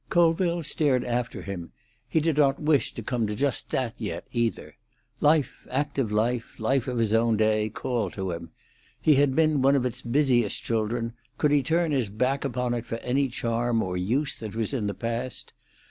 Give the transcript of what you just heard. Colville stared after him; he did not wish to come to just that yet, either. Life, active life, life of his own day, called to him; he had been one of its busiest children: could he turn his back upon it for any charm or use that was in the past?